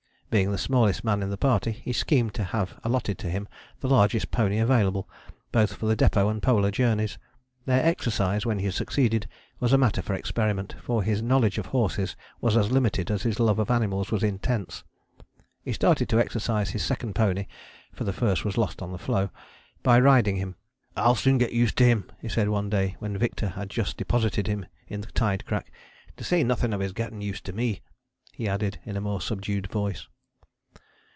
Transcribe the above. Being the smallest man in the party he schemed to have allotted to him the largest pony available both for the Depôt and Polar Journeys. Their exercise, when he succeeded, was a matter for experiment, for his knowledge of horses was as limited as his love of animals was intense. He started to exercise his second pony (for the first was lost on the floe) by riding him. "I'll soon get used to him," he said one day when Victor had just deposited him in the tide crack, "to say nothing of his getting used to me," he added in a more subdued voice.